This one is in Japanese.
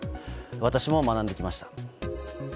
私も学んできました。